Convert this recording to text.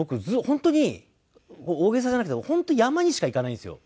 本当に大げさじゃなくて本当山にしか行かないんですよ